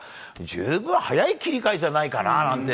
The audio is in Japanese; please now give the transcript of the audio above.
十分早い切り替えじゃないかななんて